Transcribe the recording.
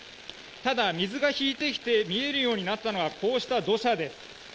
ただ、水が引いてきて見えるようになったのはこうした土砂です。